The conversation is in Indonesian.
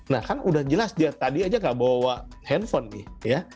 nah kan udah jelas dia tadi aja nggak bawa handphone nih ya